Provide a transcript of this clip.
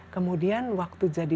kemudian waktu jadi